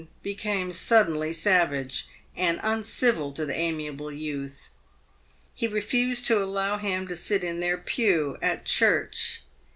become suddenly savage and uncivil to the amiable youth. He refused to allow him to sit in their pew at church.